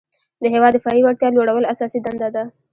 د هیواد دفاعي وړتیا لوړول اساسي دنده ده.